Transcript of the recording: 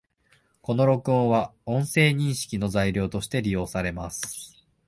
この録音は、音声認識の材料として利用されます